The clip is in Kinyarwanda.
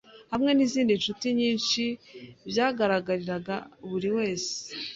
hamwe n’izindi nshuti nyinshi. Byagaragariraga buri wese